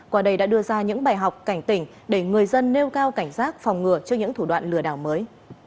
quả đầy đã đưa ra những bài học cảnh tỉnh để người dân nêu cao cảnh giác phòng ngừa trước những thủ đoạn lừa đảo mới